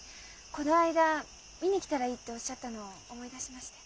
この間「見に来たらいい」っておっしゃったのを思い出しまして。